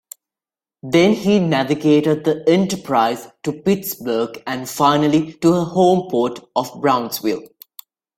Then he navigated the "Enterprise" to Pittsburgh and finally to her homeport of Brownsville.